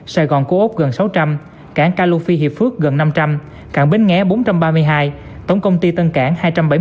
sài gòn cố úc gần sáu trăm linh cảng ca lufi hiệp phước gần năm trăm linh cảng bến nghé bốn trăm ba mươi hai tổng công ty tân cảng hai trăm bảy mươi